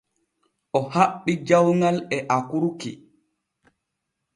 O haɓɓi jawŋal e akurki.